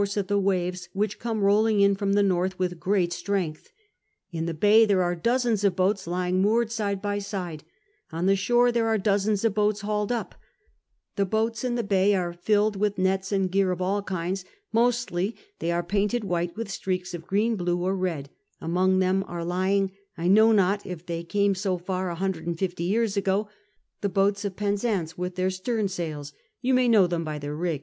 ce of the waves, which come rolling in from the north with great strength. In the bay there are dozens of boats lying moored side by side ; on the shore there are dozens of boats hauled up ; the boats in tlie bay are filled with nets and gear of all kinds ; mostly they are painted white with streaks of green, blue, or red ; among them are lying — I know not if they came so far a hundred and fifty years ago — the boats of Penzance with their stern sails ; you may know them by their rig.